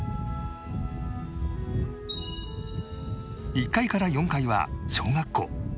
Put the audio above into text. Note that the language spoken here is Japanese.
１階から４階は小学校